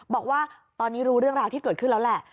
บอกว่าตอนนี้รู้เรื่องราวที่เกิดขึ้นแล้วแหละ